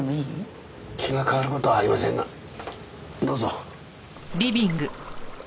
気が変わる事はありませんがどうぞ。